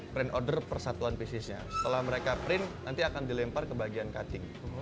print order persatuan bisnisnya setelah mereka print nanti akan dilempar ke bagian cutting